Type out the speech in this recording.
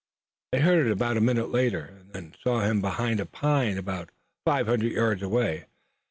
They heard it a minute later, and then saw him behind a pine about five hundred yards away.